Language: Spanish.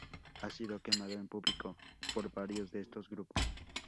Ha sido quemado en público por varios de estos grupos.